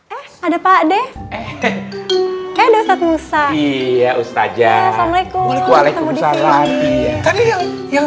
eh ada pak deh eh eh ustadz musa iya ustazah assalamualaikum waalaikumsalam tadi yang yang